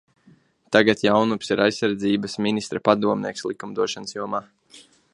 Tagad Jaunups ir aizsardzības ministra padomnieks likumdošanas jomā.